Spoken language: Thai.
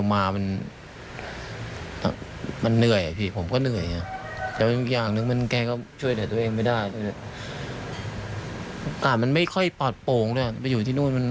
ครึ่งต้องให้คุณช่วยใครที่ดี